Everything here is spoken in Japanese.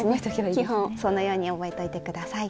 基本そのように覚えといて下さい。